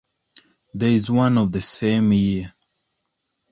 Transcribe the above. There is one of the same year.